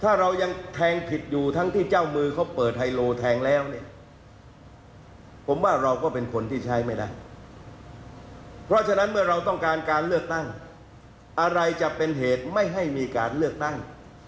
อะไรจะเป็นเหตุไม่ให้มีการเลือกตั้ง